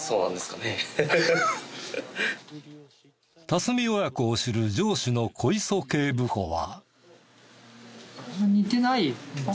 辰己親子を知る上司の小磯警部補は。